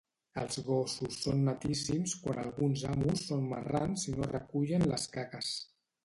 Els gossos son netíssims quan alguns amos són marrans i no recullen les caques